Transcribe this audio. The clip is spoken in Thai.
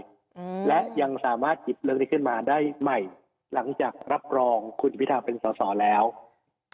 อืมและยังสามารถหยิบเรื่องนี้ขึ้นมาได้ใหม่หลังจากรับรองคุณอภิทาเป็นสอสอแล้ว